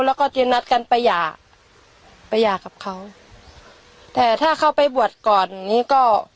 แล้วก็จะนัดกันประหย่าประหย่ากับเขาแต่ถ้าเขาไปบวชก่อนนี้ก็